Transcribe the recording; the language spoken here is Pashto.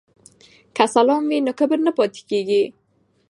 که سلام وي نو کبر نه پاتیږي.